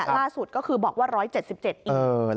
ล่าสุดก็คือบอกว่า๑๗๗อีก